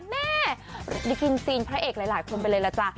แม่ได้กินซีนพระเอกหลายคนไปเลยล่ะจ๊ะ